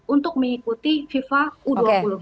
untuk mengikuti fifa u dua puluh